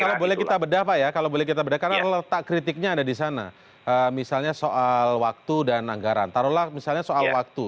kalau boleh kita bedah pak ya kalau boleh kita bedah karena letak kritiknya ada di sana misalnya soal waktu dan anggaran taruhlah misalnya soal waktu